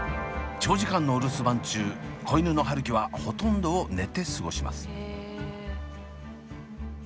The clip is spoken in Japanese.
長時間のお留守番中子犬の春輝はほとんどを寝て過ごします。